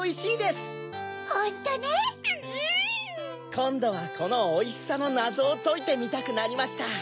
こんどはこのおいしさのなぞをといてみたくなりました。